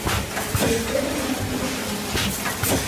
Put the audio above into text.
Вет тудо мыйын ушан.